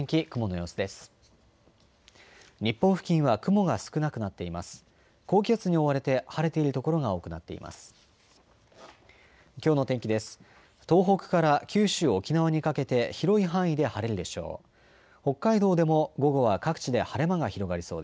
東北から九州、沖縄にかけて広い範囲で晴れるでしょう。